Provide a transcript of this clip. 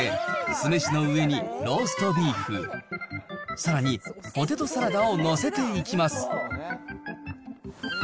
そして酢飯の上にローストビーフ、さらにポテトサラダを載せていきます。